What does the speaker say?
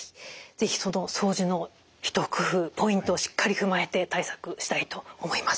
是非その掃除の一工夫ポイントをしっかり踏まえて対策したいと思います。